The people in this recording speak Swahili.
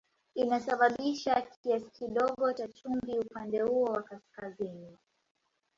Inasababisha kiasi kidogo cha chumvi upande huo wa kaskazini.